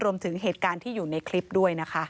รวมถึงเหตุการณ์ที่อยู่ในคลิปด้วยนะคะ